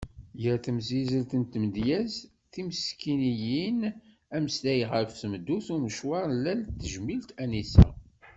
Gar temsizelt n tmedyazt, timsikniyin, ameslay ɣef tmeddurt d umecawar n lal n tejmilt Anisa.